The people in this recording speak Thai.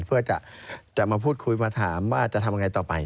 เพื่อจะมาพูดคุยมาถามว่าจะทำยังไงต่อไป